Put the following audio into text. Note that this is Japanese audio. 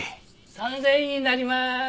３０００円になりまーす。